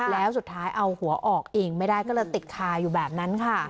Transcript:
แล้วสุดท้ายเอาหัวออกเองไม่ได้ก็เลยติดคาอยู่แบบนั้นค่ะ